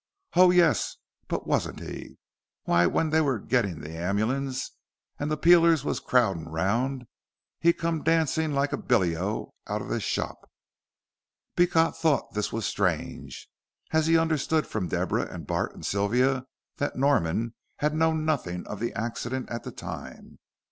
Ho, yuss, but warn't he? Why, when they was a gitin' the ambulance, an' the peelers wos a crowdin' round, he come dancing like billeo out of his shorp." Beecot thought this was strange, as he understood from Deborah and Bart and Sylvia that Norman had known nothing of the accident at the time.